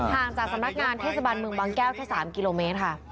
ห่างจากสำนักงานเทศบาลเมืองบางแก้วแค่๓กิโลเมตรค่ะ